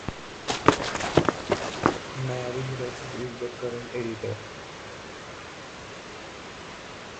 Mari Herreras is the current editor.